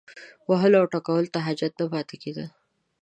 وهلو او ټکولو ته حاجت نه پاتې کېده.